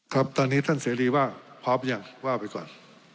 ครับตอนนี้ท่านเสรีว่าพร้อมยังว่าไปก่อน